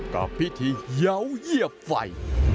กับพิธีเยาว์เหยียบไฟ